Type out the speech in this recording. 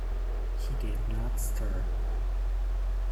He did not stir.